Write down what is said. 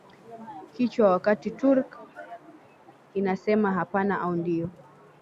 kichwa wakati Turk inasema hapana au ndiyo